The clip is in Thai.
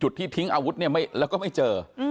อยู่ที่ทิ้งอาวุธแล้วก็ไม่เจอ